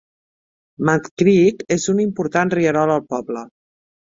Mud Creek és un important rierol al poble.